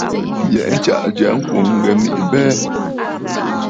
Yɛ̀ʼɛ̀ ntsaʼà jya ŋkwòŋ ŋghɛ mèʼê abɛɛ.